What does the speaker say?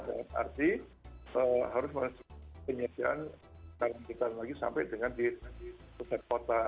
dengan arti harus penyelesaian dalam jutaan lagi sampai dengan di pusat kota